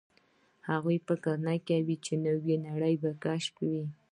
هغوی فکر نه کاوه، چې نوې نړۍ کشفوي.